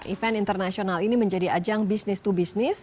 event internasional ini menjadi ajang bisnis to bisnis